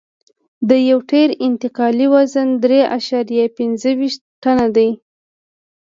د یو ټیر انتقالي وزن درې اعشاریه پنځه ویشت ټنه دی